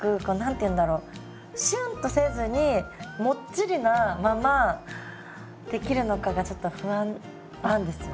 シュンとせずにもっちりなまま出来るのかがちょっと不安なんですよ。